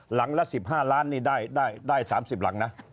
หลังละ๑๕ล้านนี่ได้๓๐หลังนะ